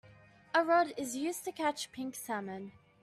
A rod is used to catch pink salmon.